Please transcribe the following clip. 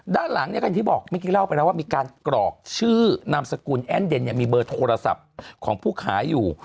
ด้านหลังเนี่ยก็อย่างที่บอกเมื่อกี้เล่าไปแล้วว่ามีการกรอกชื่อนามสกุลแอ้นเดนมีเบอร์โทรศัพท์ของผู้ขายอยู่